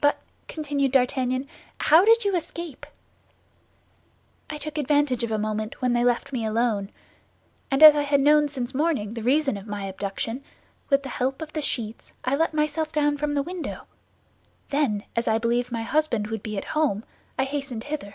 "But," continued D'Artagnan, "how did you escape?" "I took advantage of a moment when they left me alone; and as I had known since morning the reason of my abduction, with the help of the sheets I let myself down from the window. Then, as I believed my husband would be at home, I hastened hither."